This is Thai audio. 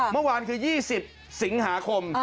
เมื่อวานคือ๒๐สิงหาคม